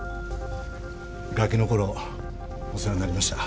ガキのころお世話になりました。